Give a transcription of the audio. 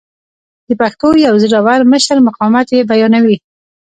د پښتنو یو زړه ور مشر مقاومت یې بیانوي.